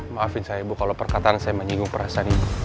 maafin saya ibu kalau perkataan saya menyinggung perasaan ibu